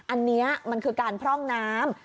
อันนี้มันคือการพร่องน้ำ